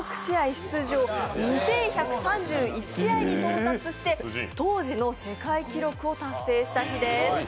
出場２１３１試合に到達し当時の世界記録を達成した日です。